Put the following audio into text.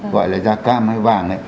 gọi là da cam hay vàng